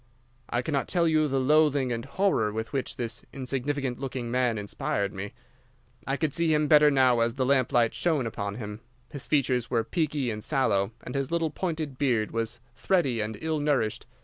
"I cannot tell you the loathing and horror with which this insignificant looking man inspired me. I could see him better now as the lamp light shone upon him. His features were peaky and sallow, and his little pointed beard was thready and ill nourished.